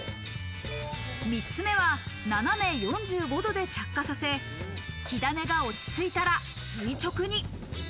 ３つ目は斜め４５度で着火させ、火種が落ち着いたら垂直に。